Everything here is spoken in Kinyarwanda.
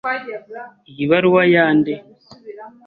Iyi baruwa ya nde?